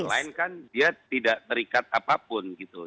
justru karena online kan dia tidak terikat apapun gitu